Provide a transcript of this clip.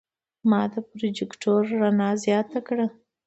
ما د پروجیکتور رڼا زیاته کړه.